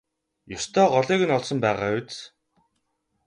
Ёстой голыг нь олсон байгаа биз?